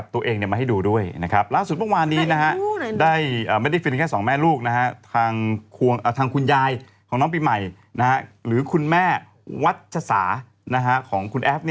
ทางคุณยายของน้องปีใหม่หรือคุณแม่วัชฌาสาบันของคุณแอฟ